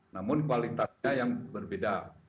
namun kualitasnya yang berbeda